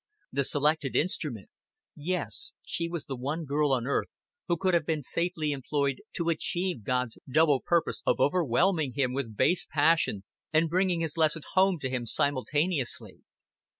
The selected instrument Yes, she was the one girl on earth who could have been safely employed to achieve God's double purpose of overwhelming him with base passion and bringing his lesson home to him simultaneously.